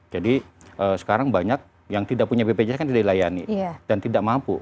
jadi sekarang banyak yang tidak punya bpjs kan tidak dilayani dan tidak mampu